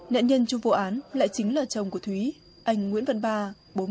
nạn nhân trong vụ án lại chính là chồng của thúy anh nguyễn văn ba bốn mươi năm tuổi